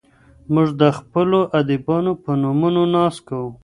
موږ د خپلو ادیبانو په نومونو ناز کوو.